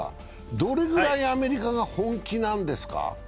どれぐらいアメリカが本気なんですか？